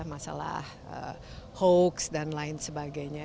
masalah hoax dan lain sebagainya